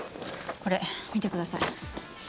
これ見てください。